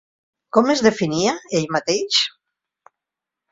Com es definia ell mateix?